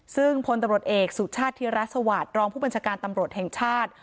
ซึ่งพลตำรวจเอกสุชาติธิรัฐสวัสดิ์รองผู้บัญชาการตำรวจแห่งชาติ